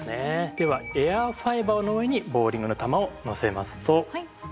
ではエアファイバーの上にボウリングの球をのせますと。